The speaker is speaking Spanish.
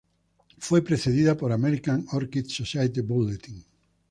Fue precedida por "American Orchid Society Bulletin.